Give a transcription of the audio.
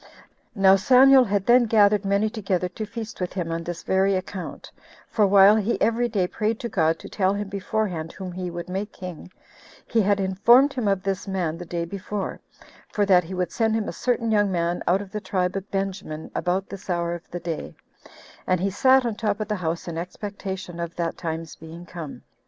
Now Samuel had then gathered many together to feast with him on this very account; for while he every day prayed to God to tell him beforehand whom he would make king, he had informed him of this man the day before, for that he would send him a certain young man out of the tribe of Benjamin about this hour of the day; and he sat on the top of the house in expectation of that time's being come.